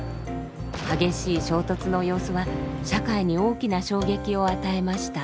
激しい衝突の様子は社会に大きな衝撃を与えました。